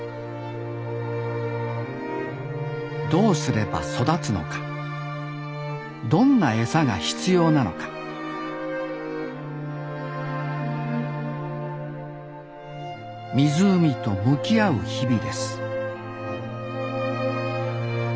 どうすれば育つのかどんなエサが必要なのか湖と向き合う日々です